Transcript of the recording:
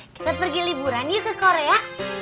kita pergi liburan nih ke korea